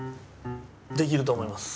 できると思います。